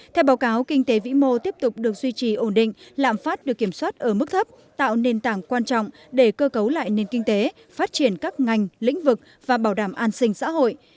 theo báo cáo kinh tế vĩ mô tiếp tục được duy trì ổn định lạm phát được kiểm soát ở mức thấp tạo nền tảng quan trọng để cơ cấu lại nền kinh tế phát triển các ngành lĩnh vực và bảo đảm an sinh xã hội